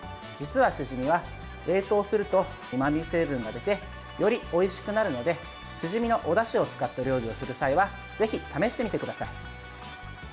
実は、シジミは冷凍するとうまみ成分が出てよりおいしくなるのでシジミのおだしを使った料理をする際はぜひ試してみてください。